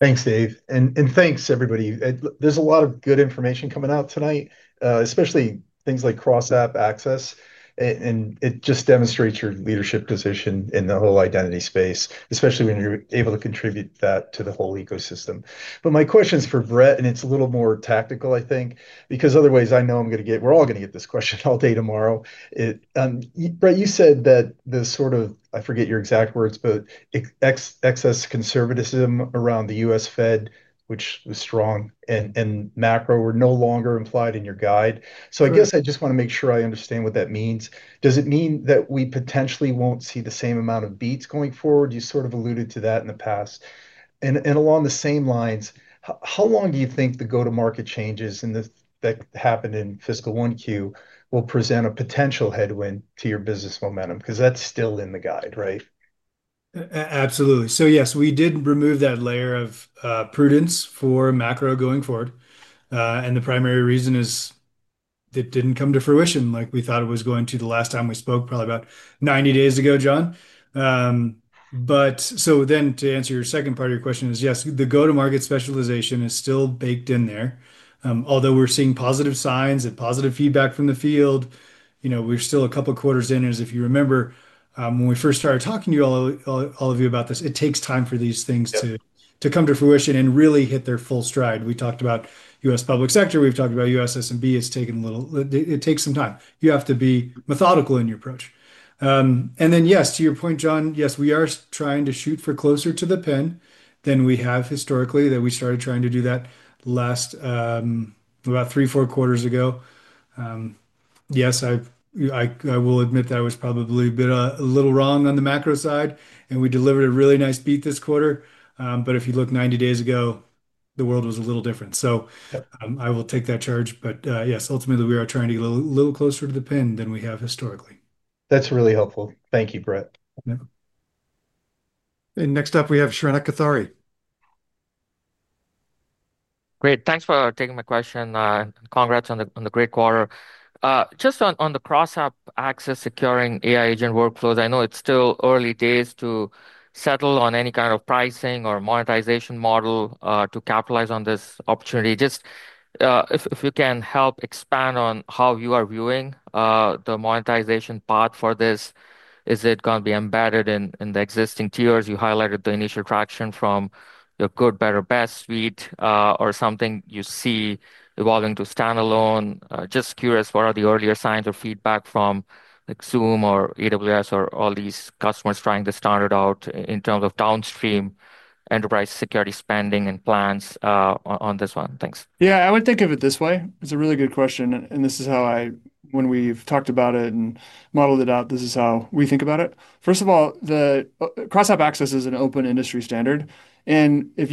Thanks, Dave, and thanks, everybody. There's a lot of good information coming out tonight, especially things like cross-app access, and it just demonstrates your leadership position in the whole identity space, especially when you're able to contribute that to the whole ecosystem. My question is for Brett, and it's a little more tactical, I think, because otherwise I know I'm going to get, we're all going to get this question all day tomorrow. Brett, you said that the sort of, I forget your exact words, but excess conservatism around the U.S. Fed, which was strong, and macro were no longer implied in your guide. I just want to make sure I understand what that means. Does it mean that we potentially won't see the same amount of beats going forward? You sort of alluded to that in the past. Along the same lines, how long do you think the go-to-market changes that happened in fiscal 1Q will present a potential headwind to your business momentum? That's still in the guide, right? Absolutely. Yes, we did remove that layer of prudence for macro going forward. The primary reason is it didn't come to fruition like we thought it was going to the last time we spoke, probably about 90 days ago, John. To answer your second part of your question, yes, the go-to-market specialization is still baked in there. Although we're seeing positive signs and positive feedback from the field, we're still a couple of quarters in. As you remember, when we first started talking to all of you about this, it takes time for these things to come to fruition and really hit their full stride. We talked about U.S. public sector. We've talked about U.S. SMB. It's taken a little, it takes some time. You have to be methodical in your approach. Yes, to your point, John, we are trying to shoot for closer to the pin than we have historically. We started trying to do that about three, four quarters ago. I will admit that I was probably a bit a little wrong on the macro side, and we delivered a really nice beat this quarter. If you look 90 days ago, the world was a little different. I will take that charge. Ultimately, we are trying to get a little closer to the pin than we have historically. That's really helpful. Thank you, Brett. Next up, we have Shreenath Atkari. Great, thanks for taking my question. Congrats on the great quarter. Just on the cross-app access securing AI agent workflows, I know it's still early days to settle on any kind of pricing or monetization model to capitalize on this opportunity. If you can help expand on how you are viewing the monetization path for this, is it going to be embedded in the existing tiers? You highlighted the initial traction from your good, better, best suite or something you see evolving to standalone. Just curious, what are the earlier signs or feedback from like Zoom or AWS or all these customers trying to standard out in terms of downstream enterprise security spending and plans on this one? Thanks. Yeah, I would think of it this way. It's a really good question. This is how I, when we've talked about it and modeled it out, this is how we think about it. First of all, the cross-app access is an open industry standard. If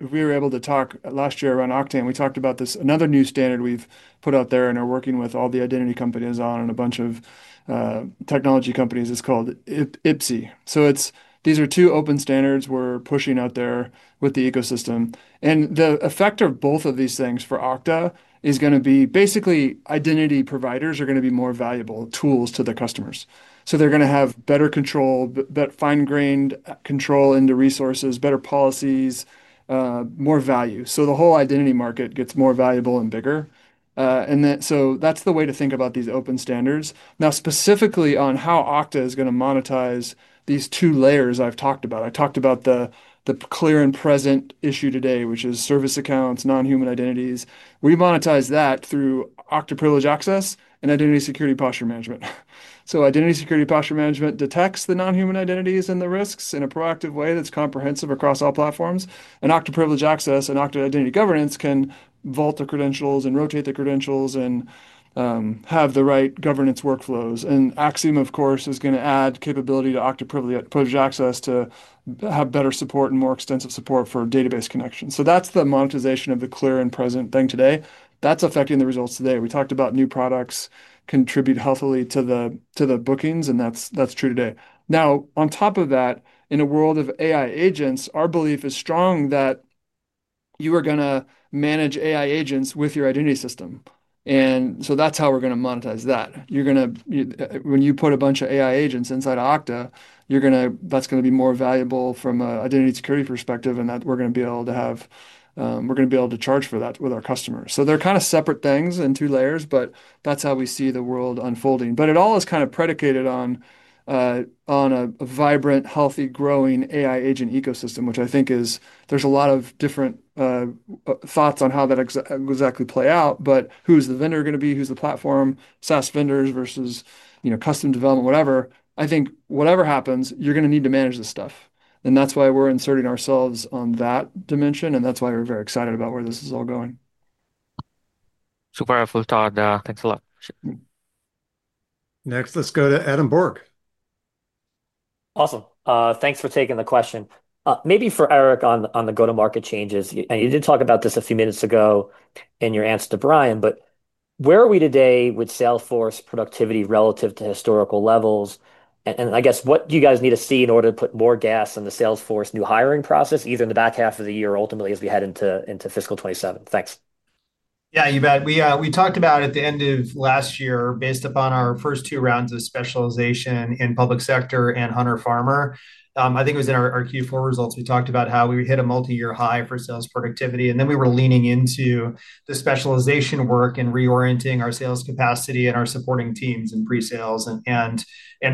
we were able to talk last year around Octane, we talked about this, another new standard we've put out there and are working with all the identity companies on and a bunch of technology companies, it's called IPSI. These are two open standards we're pushing out there with the ecosystem. The effect of both of these things for Okta is going to be basically identity providers are going to be more valuable tools to their customers. They're going to have better control, better fine-grained control into resources, better policies, more value. The whole identity market gets more valuable and bigger. That's the way to think about these open standards. Now specifically on how Okta is going to monetize these two layers I've talked about. I talked about the clear and present issue today, which is service accounts, non-human identities. We monetize that through Okta Privilege Access and Identity Security Posture Management. Identity Security Posture Management detects the non-human identities and the risks in a proactive way that's comprehensive across all platforms. Okta Privilege Access and Okta Identity Governance can vault the credentials and rotate the credentials and have the right governance workflows. Axiom, of course, is going to add capability to Okta Privilege Access to have better support and more extensive support for database connections. That's the monetization of the clear and present thing today. That's affecting the results today. We talked about new products contribute healthily to the bookings, and that's true today. Now, on top of that, in a world of AI agents, our belief is strong that you are going to manage AI agents with your identity system. That's how we're going to monetize that. When you put a bunch of AI agents inside Okta, that's going to be more valuable from an identity security perspective, and we're going to be able to have, we're going to be able to charge for that with our customers. They're kind of separate things in two layers, but that's how we see the world unfolding. It all is kind of predicated on a vibrant, healthy, growing AI agent ecosystem, which I think is, there's a lot of different thoughts on how that exactly plays out, but who's the vendor going to be? Who's the platform? SaaS vendors versus, you know, custom development, whatever. I think whatever happens, you're going to need to manage this stuff. That's why we're inserting ourselves on that dimension, and that's why we're very excited about where this is all going. Super helpful, Todd. Thanks a lot. Next, let's go to Adam Borg. Awesome. Thanks for taking the question. Maybe for Eric on the go-to-market changes, you did talk about this a few minutes ago in your answer to Brian, but where are we today with sales productivity relative to historical levels? What do you guys need to see in order to put more gas in the sales new hiring process, either in the back half of the year or ultimately as we head into fiscal 2027? Thanks. Yeah, you bet. We talked about at the end of last year, based upon our first two rounds of specialization in public sector and Hunter Farmer, I think it was in our Q4 results, we talked about how we would hit a multi-year high for sales productivity. We were leaning into the specialization work and reorienting our sales capacity and our supporting teams in pre-sales and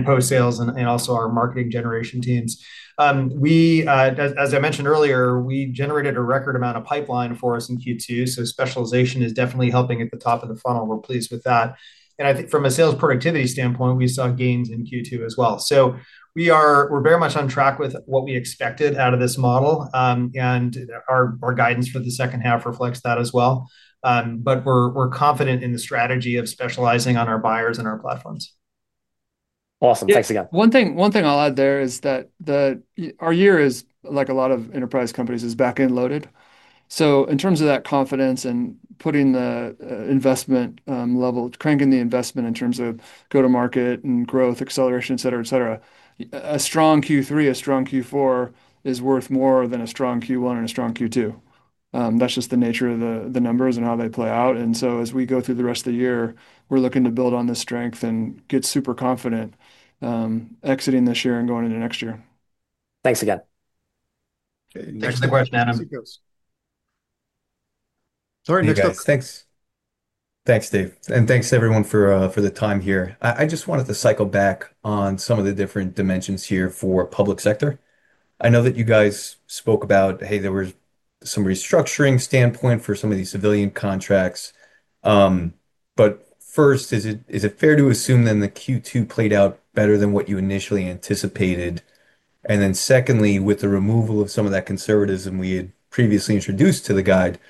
post-sales and also our marketing generation teams. As I mentioned earlier, we generated a record amount of pipeline for us in Q2. Specialization is definitely helping at the top of the funnel. We're pleased with that. I think from a sales productivity standpoint, we saw gains in Q2 as well. We are very much on track with what we expected out of this model. Our guidance for the second half reflects that as well. We're confident in the strategy of specializing on our buyers and our platforms. Awesome. Thanks again. One thing I'll add there is that our year is, like a lot of enterprise companies, back-end loaded. In terms of that confidence and putting the investment level, cranking the investment in terms of go-to-market and growth acceleration, et cetera, et cetera, a strong Q3, a strong Q4 is worth more than a strong Q1 and a strong Q2. That's just the nature of the numbers and how they play out. As we go through the rest of the year, we're looking to build on this strength and get super confident exiting this year and going into next year. Thanks again. Here's the question, Adam. Sorry, next up. Thanks, Dave. Thanks everyone for the time here. I just wanted to cycle back on some of the different dimensions here for public sector. I know that you guys spoke about, hey, there was some restructuring standpoint for some of these civilian contracts. First, is it fair to assume then the Q2 played out better than what you initially anticipated? Secondly, with the removal of some of that conservatism we had previously introduced to the guide,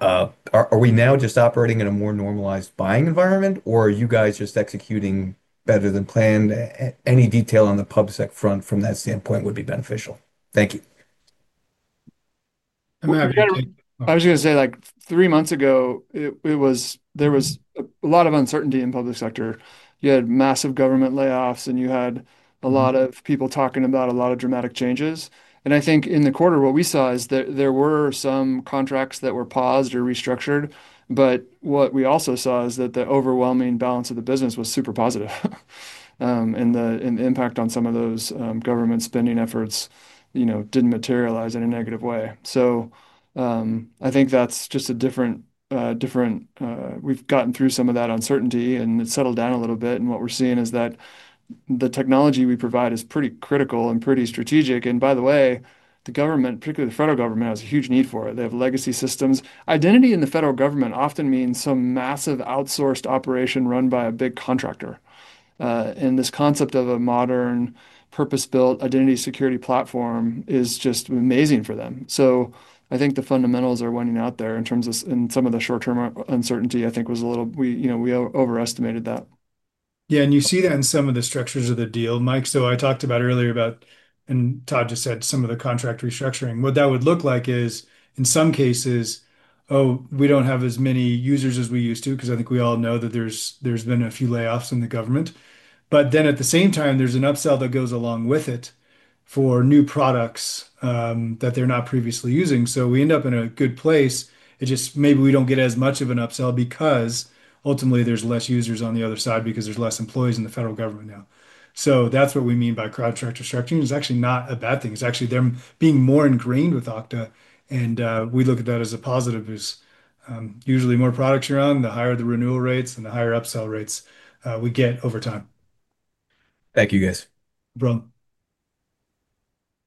are we now just operating in a more normalized buying environment, or are you guys just executing better than planned? Any detail on the public sector front from that standpoint would be beneficial. Thank you. I was just going to say like three months ago, there was a lot of uncertainty in the public sector. You had massive government layoffs, and you had a lot of people talking about a lot of dramatic changes. I think in the quarter, what we saw is that there were some contracts that were paused or restructured, but what we also saw is that the overwhelming balance of the business was super positive. The impact on some of those government spending efforts, you know, did not materialize in a negative way. I think that is just a different, we have gotten through some of that uncertainty, and it has settled down a little bit. What we are seeing is that the technology we provide is pretty critical and pretty strategic. By the way, the government, particularly the federal government, has a huge need for it. They have legacy systems. Identity in the federal government often means some massive outsourced operation run by a big contractor. This concept of a modern purpose-built identity security platform is just amazing for them. I think the fundamentals are winning out there in terms of, in some of the short-term uncertainty, I think was a little, we, you know, we overestimated that. Yeah. You see that in some of the structures of the deal, Mike. I talked earlier about, and Todd just said, some of the contract restructuring. What that would look like is, in some cases, oh, we do not have as many users as we used to, because I think we all know that there have been a few layoffs in the government. At the same time, there is an upsell that goes along with it for new products that they are not previously using. We end up in a good place. It just, maybe we do not get as much of an upsell because ultimately there are less users on the other side because there are less employees in the federal government now. That is what we mean by contract restructuring. It is actually not a bad thing. It is actually them being more ingrained with Okta. We look at that as a positive, as usually more products are on, the higher the renewal rates and the higher upsell rates we get over time. Thank you, guys.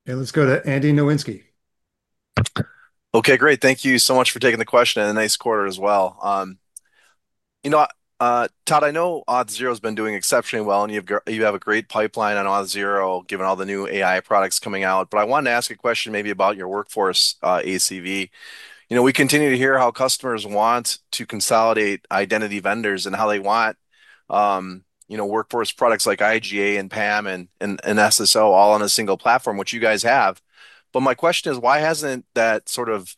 Hey, let's go to Andy Nowinski. Okay, great. Thank you so much for taking the question and a nice quarter as well. You know, Todd, I know Auth0 has been doing exceptionally well, and you have a great pipeline on Auth0 given all the new AI products coming out. I wanted to ask a question maybe about your workforce ACV. We continue to hear how customers want to consolidate identity vendors and how they want workforce products like IGA and PAM and SSO all on a single platform, which you guys have. My question is, why hasn't that sort of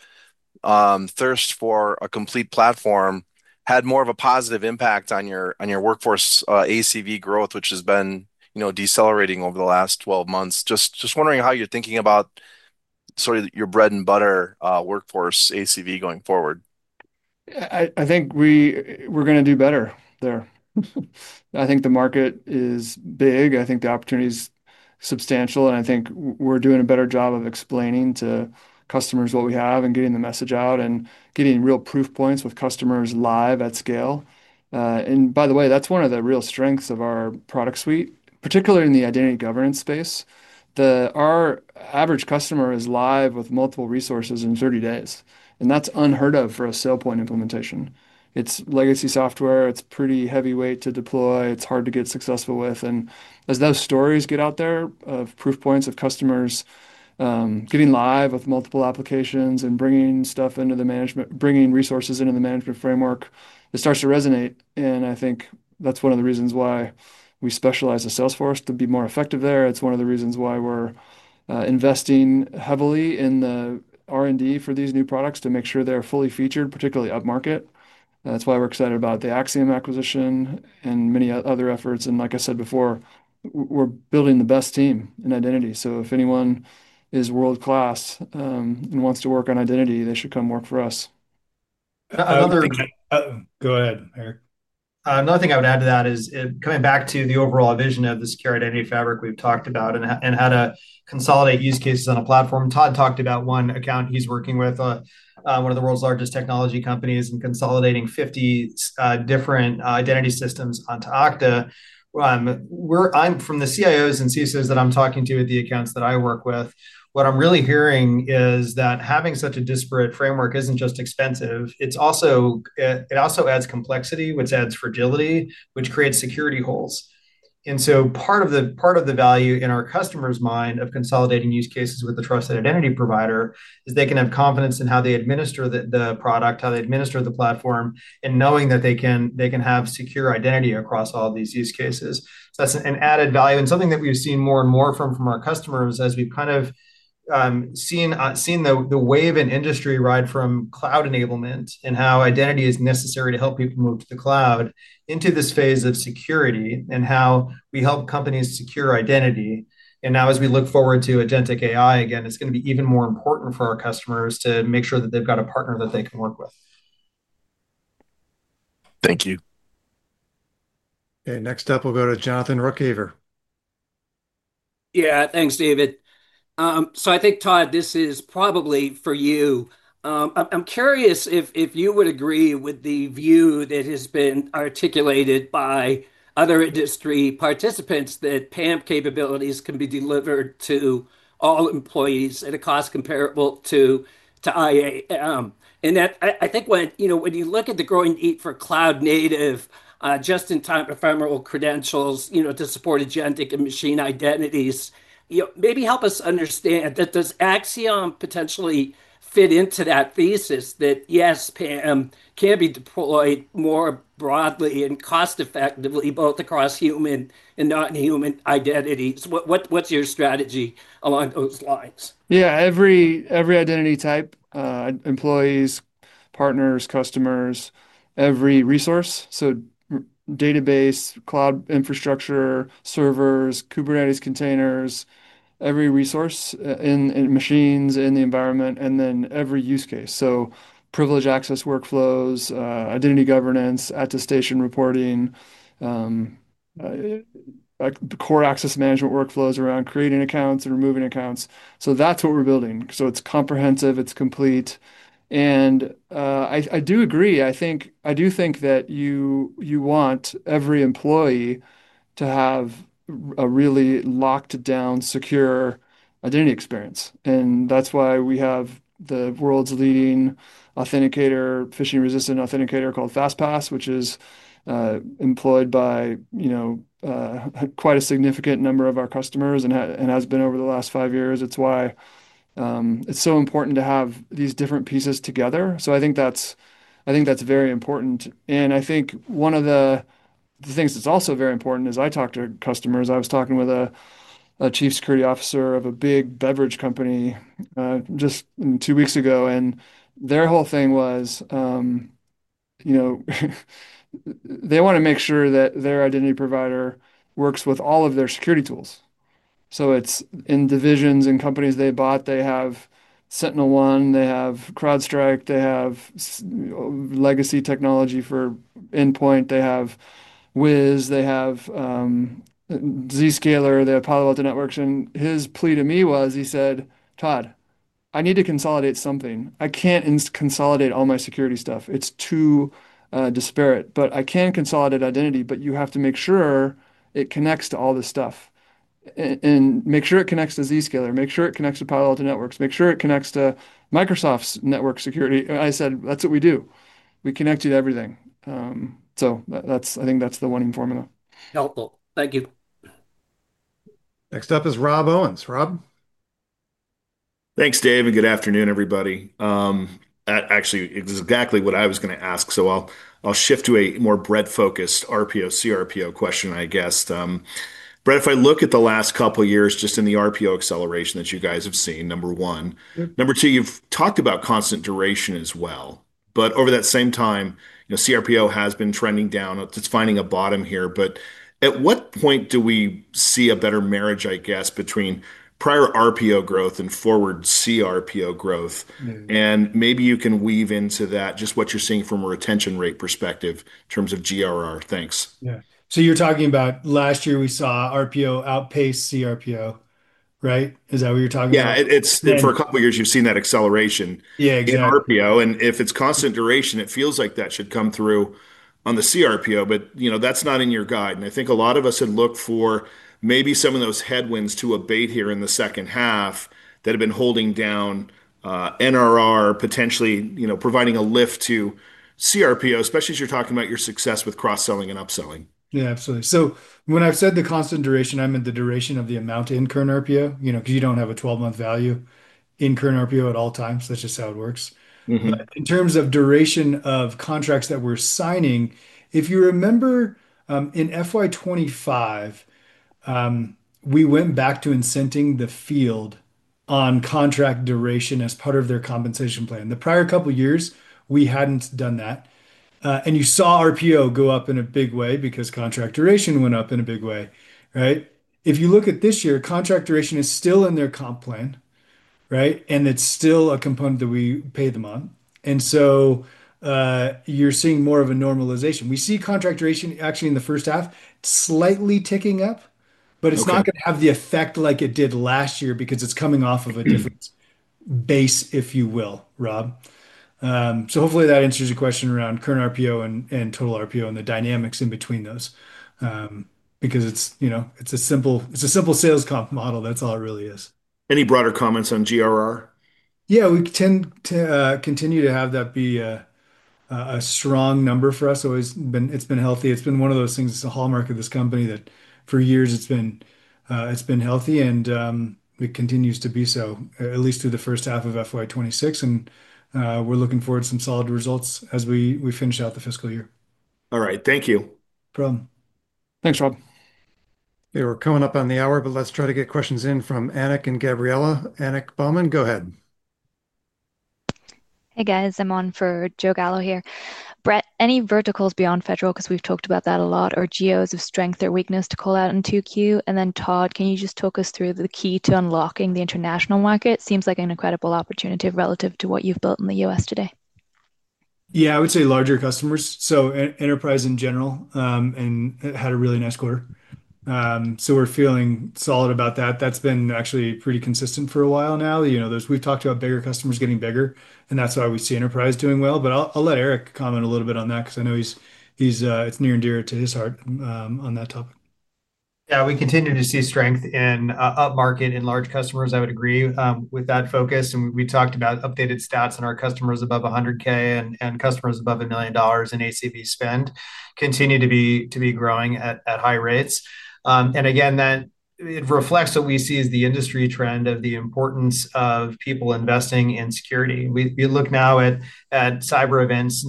thirst for a complete platform had more of a positive impact on your workforce ACV growth, which has been decelerating over the last 12 months? Just wondering how you're thinking about sort of your bread and butter workforce ACV going forward. I think we're going to do better there. I think the market is big. I think the opportunity is substantial, and I think we're doing a better job of explaining to customers what we have and getting the message out and getting real proof points with customers live at scale. By the way, that's one of the real strengths of our product suite, particularly in the identity governance space. Our average customer is live with multiple resources in 30 days. That's unheard of for a SailPoint implementation. It's legacy software. It's pretty heavyweight to deploy. It's hard to get successful with. As those stories get out there of proof points of customers getting live with multiple applications and bringing stuff into the management, bringing resources into the management framework, it starts to resonate. I think that's one of the reasons why we specialize in Salesforce to be more effective there. It's one of the reasons why we're investing heavily in the R&D for these new products to make sure they're fully featured, particularly up market. That's why we're excited about the Axiom Security acquisition and many other efforts. Like I said before, we're building the best team in identity. If anyone is world-class and wants to work on identity, they should come work for us. Another. Go ahead, Eric. Another thing I would add to that is coming back to the overall vision of the secure identity fabric we've talked about and how to consolidate use cases on a platform. Todd talked about one account he's working with, one of the world's largest technology companies, and consolidating 50 different identity systems onto Okta. From the CIOs and CISOs that I'm talking to at the accounts that I work with, what I'm really hearing is that having such a disparate framework isn't just expensive. It also adds complexity, which adds fragility, which creates security holes. Part of the value in our customer's mind of consolidating use cases with the trusted identity provider is they can have confidence in how they administer the product, how they administer the platform, and knowing that they can have secure identity across all of these use cases. That's an added value and something that we've seen more and more from our customers as we've seen the wave in industry ride from cloud enablement and how identity is necessary to help people move to the cloud into this phase of security and how we help companies secure identity. Now as we look forward to agentic AI, again, it's going to be even more important for our customers to make sure that they've got a partner that they can work with. Thank you. Okay, next up, we'll go to Jonathan Rookaver. Yeah, thanks, David. I think, Todd, this is probably for you. I'm curious if you would agree with the view that has been articulated by other industry participants that PAM capabilities can be delivered to all employees at a cost comparable to IAM. I think when you look at the growing need for cloud-native just-in-time ephemeral credentials to support agentic and machine identities, maybe help us understand, does Axiom potentially fit into that thesis that yes, PAM can be deployed more broadly and cost-effectively both across human and non-human identities? What's your strategy along those lines? Yeah, every identity type, employees, partners, customers, every resource, so database, cloud infrastructure, servers, Kubernetes containers, every resource in machines in the environment, and then every use case. Privileged access workflows, identity governance, attestation reporting, like the core access management workflows around creating accounts and removing accounts. That's what we're building. It's comprehensive, it's complete. I do agree. I do think that you want every employee to have a really locked-down secure identity experience. That's why we have the world's leading authenticator, phishing-resistant authenticator called FastPass, which is employed by, you know, quite a significant number of our customers and has been over the last five years. It's why it's so important to have these different pieces together. I think that's very important. One of the things that's also very important is I talk to customers. I was talking with a Chief Security Officer of a big beverage company just two weeks ago, and their whole thing was, you know, they want to make sure that their identity provider works with all of their security tools. It's in divisions and companies they bought. They have SentinelOne, they have CrowdStrike, they have legacy technology for endpoint, they have Wiz, they have Zscaler, they have Palo Alto Networks. His plea to me was, he said, "Todd, I need to consolidate something. I can't consolidate all my security stuff. It's too disparate. I can consolidate identity, but you have to make sure it connects to all this stuff. Make sure it connects to Zscaler, make sure it connects to Palo Alto Networks, make sure it connects to Microsoft's network security." I said, "That's what we do. We connect you to everything." I think that's the winning formula. Helpful. Thank you. Next up is Rob Owens. Rob. Thanks, Dave, and good afternoon, everybody. Actually, it was exactly what I was going to ask. I'll shift to a more Brett-focused RPO, CRPO question, I guess. Brett, if I look at the last couple of years, just in the RPO acceleration that you guys have seen, number one. Number two, you've talked about constant duration as well. Over that same time, you know, CRPO has been trending down. It's finding a bottom here. At what point do we see a better marriage, I guess, between prior RPO growth and forward CRPO growth? Maybe you can weave into that just what you're seeing from a retention rate perspective in terms of GRR. Thanks. You're talking about last year we saw RPO outpace CRPO, right? Is that what you're talking about? Yeah, it's been for a couple of years. You've seen that acceleration in RPO, and if it's constant duration, it feels like that should come through on the CRPO. You know, that's not in your guide. I think a lot of us had looked for maybe some of those headwinds to abate here in the second half that have been holding down NRR, potentially providing a lift to CRPO, especially as you're talking about your success with cross-selling and upselling. Yeah, absolutely. When I've said the constant duration, I meant the duration of the amount to incur in RPO, you know, because you don't have a 12-month value incur in RPO at all times. That's just how it works. In terms of duration of contracts that we're signing, if you remember in FY2025, we went back to incenting the field on contract duration as part of their compensation plan. The prior couple of years, we hadn't done that. You saw RPO go up in a big way because contract duration went up in a big way, right? If you look at this year, contract duration is still in their comp plan, right? It's still a component that we pay them on, and you're seeing more of a normalization. We see contract duration actually in the first half slightly ticking up, but it's not going to have the effect like it did last year because it's coming off of a different base, if you will, Rob. Hopefully that answers your question around current RPO and total RPO and the dynamics in between those. It's a simple sales comp model. That's all it really is. Any broader comments on GRR? Yeah, we tend to continue to have that be a strong number for us. It's always been, it's been healthy. It's been one of those things, it's a hallmark of this company that for years it's been, it's been healthy and it continues to be so, at least through the first half of FY2026. We're looking forward to some solid results as we finish out the fiscal year. All right, thank you. No problem. Thanks, Rob. We're coming up on the hour, but let's try to get questions in from Anik and Gabriella. Anik Bauman, go ahead. Hey guys, I'm on for Joe Gallo here. Brett, any verticals beyond federal, because we've talked about that a lot, or geos of strength or weakness to call out in 2Q? Todd, can you just talk us through the key to unlocking the international market? Seems like an incredible opportunity relative to what you've built in the U.S. today. Yeah, I would say larger customers. Enterprise in general had a really nice quarter. We're feeling solid about that. That's been actually pretty consistent for a while now. We've talked about bigger customers getting bigger, and that's why we see enterprise doing well. I'll let Eric comment a little bit on that because I know it's near and dear to his heart on that topic. Yeah, we continue to see strength in upmarket in large customers. I would agree with that focus. We talked about updated stats on our customers above $100,000 and customers above $1 million in ACV spend continue to be growing at high rates. That reflects what we see as the industry trend of the importance of people investing in security. We look now at cyber events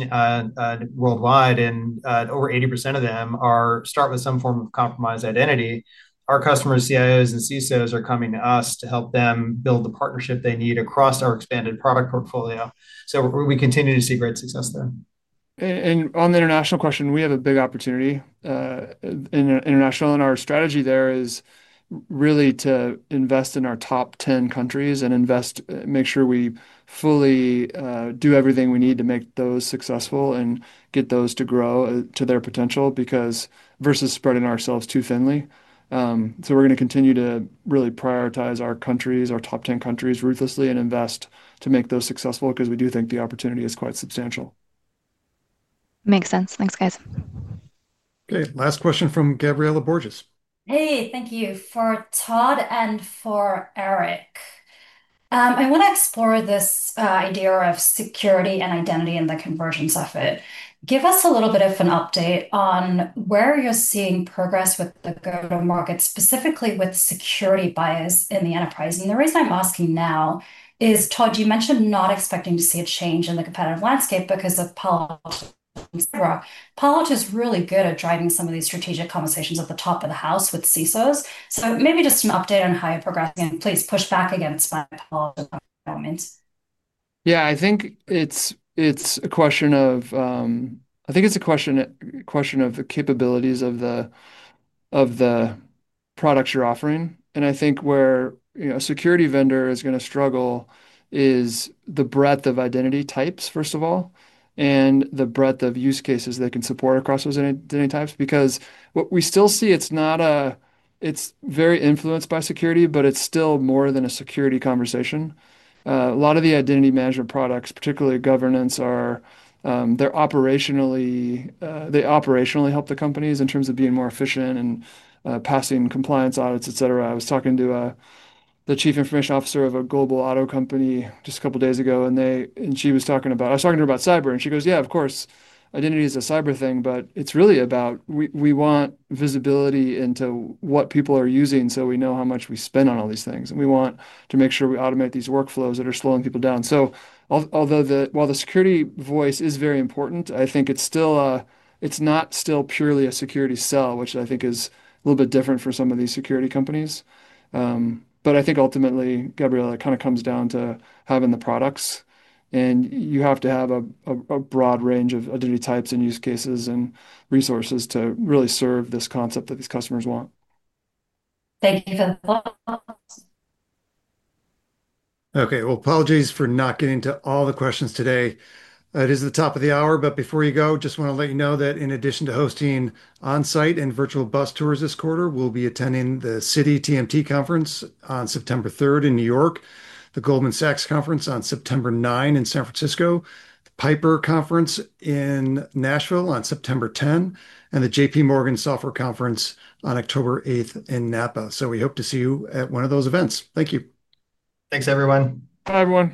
worldwide, and over 80% of them start with some form of compromised identity. Our customers, CIOs and CISOs, are coming to us to help them build the partnership they need across our expanded product portfolio. We continue to see great success there. On the international question, we have a big opportunity in international. Our strategy there is really to invest in our top 10 countries and make sure we fully do everything we need to make those successful and get those to grow to their potential versus spreading ourselves too thinly. We are going to continue to really prioritize our top 10 countries ruthlessly and invest to make those successful because we do think the opportunity is quite substantial. Makes sense. Thanks, guys. Okay, last question from Gabriella Borges. Hey, thank you for Todd and for Eric. I want to explore this idea of security and identity in the convergence effort. Give us a little bit of an update on where you're seeing progress with the go-to-market, specifically with security bias in the enterprise. The reason I'm asking now is, Todd, you mentioned not expecting to see a change in the competitive landscape because of Palo Alto. Palo Alto is really good at driving some of these strategic conversations at the top of the house with CISOs. Maybe just an update on how you're progressing. Please push back against that. I think it's a question of the capabilities of the products you're offering. I think where a security vendor is going to struggle is the breadth of identity types, first of all, and the breadth of use cases they can support across those identity types. What we still see, it's very influenced by security, but it's still more than a security conversation. A lot of the identity management products, particularly governance, operationally help the companies in terms of being more efficient and passing compliance audits, etc. I was talking to the Chief Information Officer of a global auto company just a couple of days ago, and she was talking about, I was talking to her about cyber, and she goes, yeah, of course, identity is a cyber thing, but it's really about, we want visibility into what people are using so we know how much we spend on all these things. We want to make sure we automate these workflows that are slowing people down. Although the security voice is very important, I think it's still not purely a security sell, which I think is a little bit different for some of these security companies. I think ultimately, Gabriella, it kind of comes down to having the products, and you have to have a broad range of identity types and use cases and resources to really serve this concept that these customers want. Thank you for the thought. Okay, apologies for not getting to all the questions today. It is the top of the hour, but before you go, I just want to let you know that in addition to hosting onsite and virtual bus tours this quarter, we'll be attending the City TMT Conference on September 3 in New York, the Goldman Sachs Conference on September 9 in San Francisco, the Piper Conference in Nashville on September 10, and the JPMorgan Software Conference on October 8 in Napa. We hope to see you at one of those events. Thank you. Thanks, everyone. Bye, everyone.